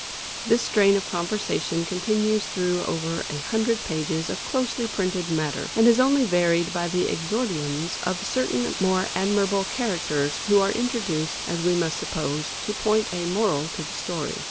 This strain of conversation continues through over a hundred pages of closely printed matter, and is only varied by the exordiums of certain more admirable characters, who are introduced, as we must suppose, to point a moral to the story.